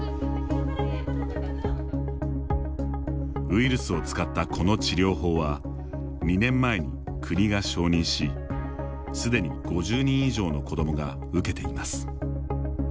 ウイルスを使ったこの治療法は２年前に国が承認しすでに５０人以上の子どもが受けています。